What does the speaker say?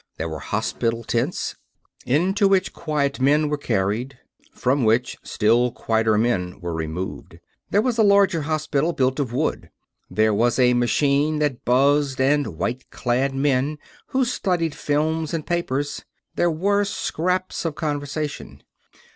There were hospital tents, into which quiet men were carried; from which still quieter men were removed. There was a larger hospital, built of wood. There was a machine that buzzed and white clad men who studied films and papers. There were scraps of conversation.